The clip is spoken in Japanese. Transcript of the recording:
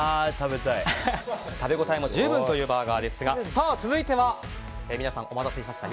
食べ応えも十分というバーガーですが続いては、皆さんお待たせしました。